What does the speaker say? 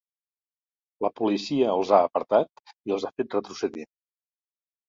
La policia els ha apartat i els ha fet retrocedir.